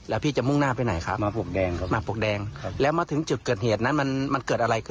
แล้วพี่ได้รับบาตเจ็บตรงไหนไหม